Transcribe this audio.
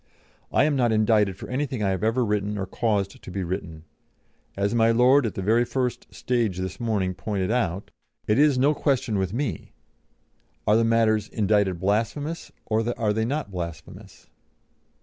I am not indicted for anything I have ever written or caused to be written. As my Lord at the very first stage this morning pointed out, it is no question with me, Are the matters indicted blasphemous, or are they not blasphemous?